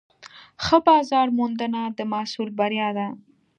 ښه بازارموندنه د محصول بریا ده.